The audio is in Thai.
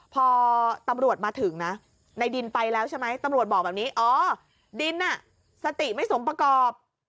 พอตำรวจมาถึงนะในดินไปแล้วใช่ไหมตำรวจบอกแบบนี้อ๋อดินสติไม่สมประกอบ